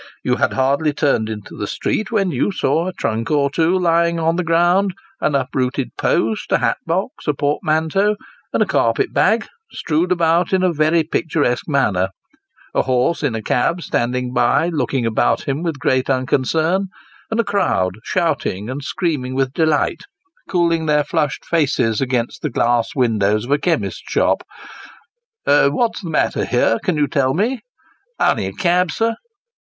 You had hardly turned into the street, when you saw a trunk or two, lying on the ground : an uprooted post, a hat box, a portmanteau, and a carpet bag, strewed about in a very picturesque manner : a horse in a cab standing by, looking about him with great unconcern ; and a crowd, shouting and screaming with delight, cooling their flushed faces against the glass windows of a chemist's shop. " What's the matter here, can you tell me ?"" On'y a cab, sir."